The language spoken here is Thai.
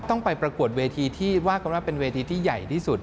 ต้องไปปรากฏเวทีที่ว่าเป็นเวทีที่ใหญ่ที่สุด